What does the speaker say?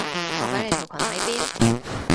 我畀你條裙喺邊？